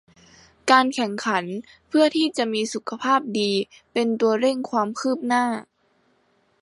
การแข่งขันเพื่อที่จะมีสุขภาพดีเป็นตัวเร่งความคืบหน้า